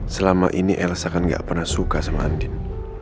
selama ini elsa kan gak pernah suka sama andin